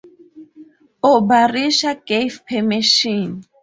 Obarisha gave permission.